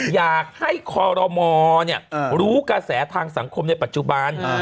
อยากให้คอลโรมอล์เนี่ยรู้กระแสทางสังคมได้ประจ๊ะ